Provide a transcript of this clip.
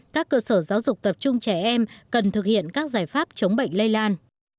các cơ sở giáo dục tập trung trẻ em cần thực hiện các giải pháp chống bệnh lây lan